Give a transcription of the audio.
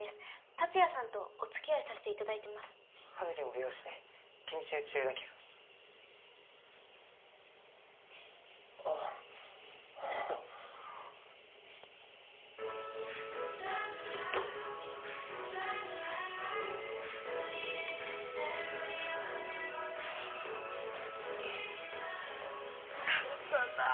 達哉さんとお付き合いさせていただいてます葉月も美容師で研修中だけどあっおはあ久々だ